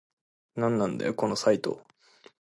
なんなんだよこのサイト